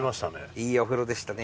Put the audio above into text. いいお風呂でしたね